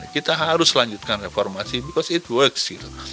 kita harus melanjutkan reformasi because it works